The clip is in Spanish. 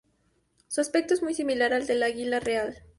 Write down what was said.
Su aspecto es muy similar al del águila real.